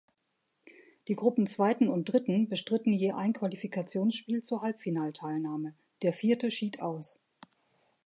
Die Gruppenzweiten und -dritten bestritten je ein Qualifikationsspiel zur Halbfinalteilnahme, der Vierte schied aus.